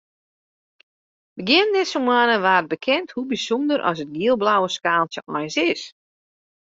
Begjin dizze moanne waard bekend hoe bysûnder as it giel-blauwe skaaltsje eins is.